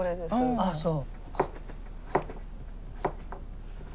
あっそう。